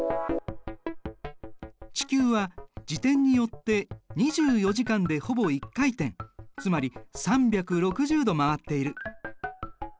地球は自転によって２４時間でほぼ１回転つまり３６０度回っている。